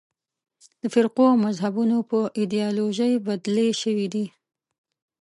د فرقو او مذهبونو په ایدیالوژۍ بدلې شوې دي.